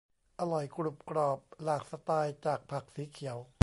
อร่อยกรุบกรอบหลากสไตล์จากผักสีเขียว